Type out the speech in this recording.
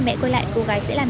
đi đường nào em